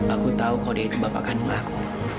aku tau kau dia itu bapak kandung aku